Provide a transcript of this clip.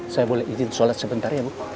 saya boleh izin sholat sebentar ya bu